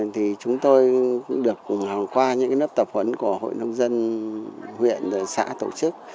thì chúng tôi cũng được qua những lớp tập huấn của hội nông dân huyện xã tổ chức